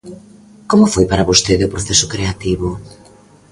Como foi para vostede o proceso creativo?